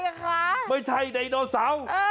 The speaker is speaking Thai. ไม่เกี่ยวไม่ใช่ไดโนสาว